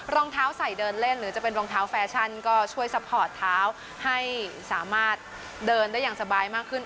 รองเท้าใส่เดินเล่นหรือจะเป็นรองเท้าแฟชั่นก็ช่วยซัพพอร์ตเท้าให้สามารถเดินได้อย่างสบายมากขึ้น